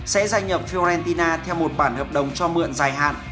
sẽ gia nhập farentina theo một bản hợp đồng cho mượn dài hạn